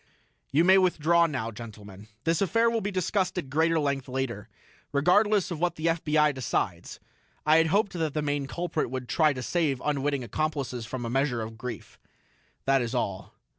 "You may withdraw now, gentlemen; this affair will be discussed at greater length later, regardless of what the FBI decides. I had hoped that the main culprit would try to save unwitting accomplices from a measure of grief. That is all."